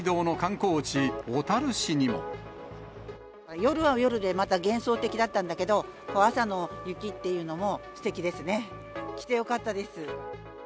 夜は夜で、また幻想的だったんだけど、朝の雪っていうのもすてきですね。来てよかったです。